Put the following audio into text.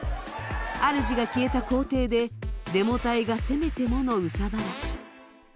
主が消えた公邸でデモ隊がせめてもの憂さ晴らし。